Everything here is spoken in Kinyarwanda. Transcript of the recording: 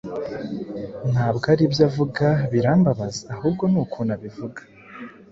Ntabwo aribyo avuga birambabaza ahubwo nukuntu abivuga.